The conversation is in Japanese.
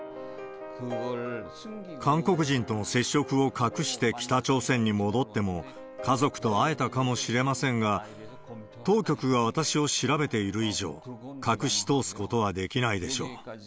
韓国人との接触を隠して北朝鮮に戻っても、家族と会えたかもしれませんが、当局が私を調べている以上、隠し通すことはできないでしょう。